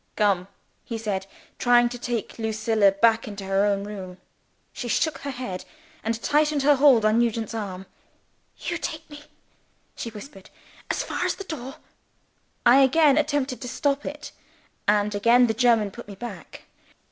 "Come!" he said, trying to take Lucilla back into her own room. She shook her head, and tightened her hold on Nugent's arm. "You take me," she whispered. "As far as the door." I again attempted to stop it; and again the German put me back.